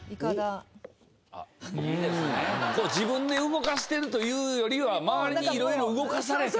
自分で動かしてるというよりは周りに色々動かされて。